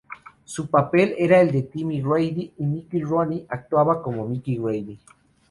Su papel era el de Timmy Grady, y Mickey Rooney actuaba como Mickey Grady.